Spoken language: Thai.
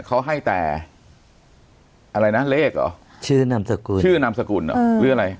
เขาให้แต่อะไรนะเลขเหรอชื่อนามสกุลชื่อนามสกุลเหรอหรืออะไร